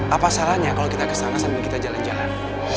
apa salahnya kalau kita kesana sambil kita jalan jalan